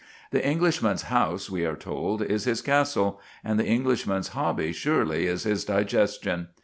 The Englishman's house, we are told, is his castle; and the Englishman's hobby, surely, is his digestion.